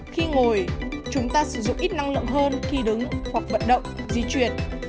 khi ngồi chúng ta sử dụng ít năng lượng hơn khi đứng hoặc vận động di chuyển